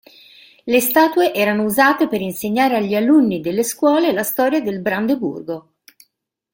Le statue erano usate per insegnare agli alunni delle scuole la storia del Brandeburgo.